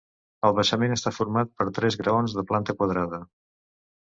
El basament està format per tres graons de planta quadrada.